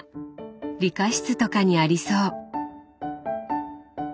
理科室とかにありそう。